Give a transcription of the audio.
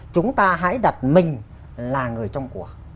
chúng ta hãy đặt mình là người trong của